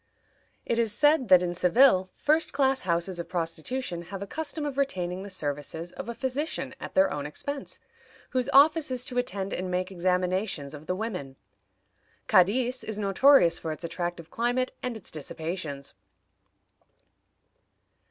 It is said that in Seville first class houses of prostitution have a custom of retaining the services of a physician at their own expense, whose office is to attend and make examinations of the women. Cadiz is notorious for its attractive climate and its dissipations.